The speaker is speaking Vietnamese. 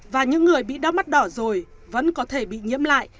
và những người bị đau mắt đỏ rồi vẫn có thể bị nhiễm lại